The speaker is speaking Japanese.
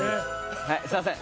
はいすいません。